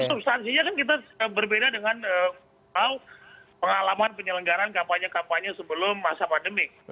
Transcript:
substansinya kan kita berbeda dengan pengalaman penyelenggaran kampanye kampanye sebelum masa pandemi